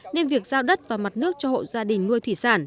nên việc giao đất và mặt nước cho hộ gia đình nuôi thủy sản